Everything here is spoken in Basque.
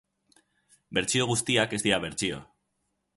Bertsio guztiak ez dira bertsio.